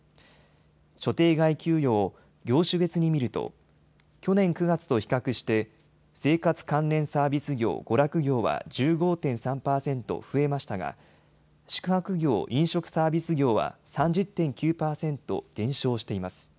所定外給与を業種別に見ると去年９月と比較して生活関連サービス業・娯楽業は１５．３％増えましたが宿泊業・飲食サービス業は３０．９％減少しています。